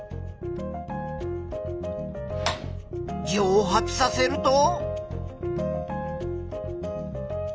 蒸発させると。